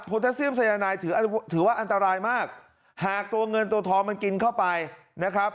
ทัเซียมสัยนายถือว่าอันตรายมากหากตัวเงินตัวทองมันกินเข้าไปนะครับ